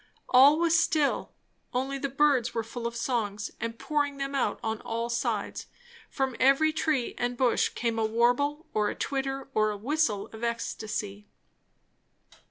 All was still, only the birds were full of songs and pouring them out on all sides; from every tree and bush came a warble or a twitter or a whistle of ecstasy.